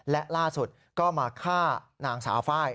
และล่าสุดก็มาฆ่านางสาวไฟล์